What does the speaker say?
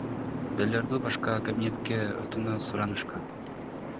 Далерду башка кабинетке өтүүнү суранышкан.